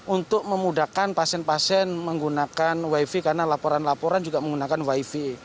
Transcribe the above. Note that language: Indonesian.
untuk memudahkan pasien pasien menggunakan wifi karena laporan laporan juga menggunakan wifi